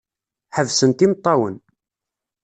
Ḥebsent imeṭṭawen.